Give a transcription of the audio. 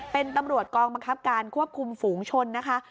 เป็นตำรวจกองบังคับการควบคุมฝูงชนนะคะ